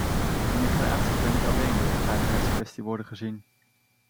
Immigratie kan niet alleen als een veiligheidskwestie worden gezien.